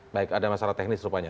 baik ada masalah teknis rupanya